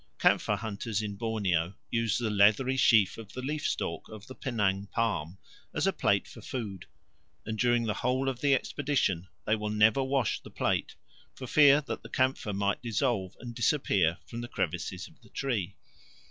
Camphor hunters in Borneo use the leathery sheath of the leaf stalk of the Penang palm as a plate for food, and during the whole of the expedition they will never wash the plate, for fear that the camphor might dissolve and disappear from the crevices of the tree.